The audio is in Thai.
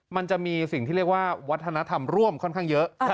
มันจะมีสิ่งที่เรียกว่าวัฒนธรรมร่วมค่อนข้างเยอะ